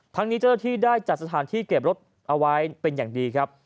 ทั้งนี้เจ้าหน้าที่ได้จัดสถานที่เก็บรถเอาไว้เป็นอย่างดีครับ